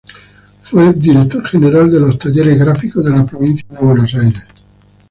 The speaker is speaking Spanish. Fue director general de los Talleres Gráficos de la Provincia de Buenos Aires.